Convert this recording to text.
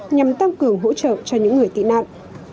nhằm tăng cường hỗ trợ cho những người tị nạn